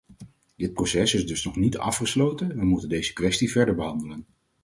Dit proces is dus nog niet afgesloten; we moeten deze kwestie verder behandelen.